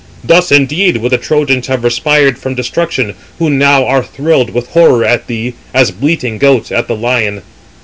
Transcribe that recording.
Thus, indeed, would the Trojans have respired from destruction, who now are thrilled with horror at thee, as bleating goats at the lion."